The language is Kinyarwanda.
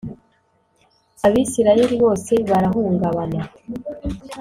Abisirayeli bose barahungabana